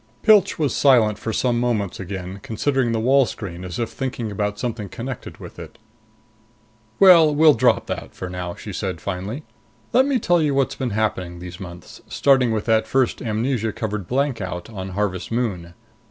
20 Pilch was silent for some moments again, considering the wall screen as if thinking about something connected with it. "Well, we'll drop that for now," she said finally. "Let me tell you what's been happening these months, starting with that first amnesia covered blankout on Harvest Moon.